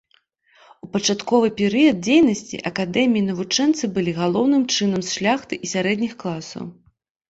У пачатковы перыяд дзейнасці акадэміі навучэнцы былі галоўным чынам з шляхты і сярэдніх класаў.